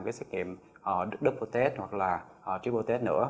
cái xét nghiệm double test hoặc là triple test nữa